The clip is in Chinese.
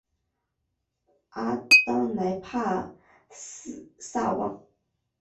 阿当莱帕萨旺。